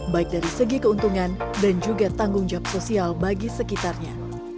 baik dari segi keuntungan dan juga tanggung jawab sosial bagi sekitarnya